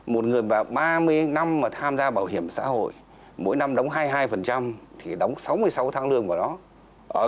một người và ba mươi năm mà tham gia bảo hiểm xã hội mỗi năm đóng hai mươi hai thì đóng sáu mươi sáu tháng lương vào đó